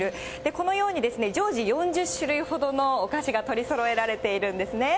このようにですね、常時４０種類ほどのお菓子が取りそろえられているんですね。